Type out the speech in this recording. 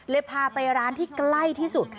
พาไปร้านที่ใกล้ที่สุด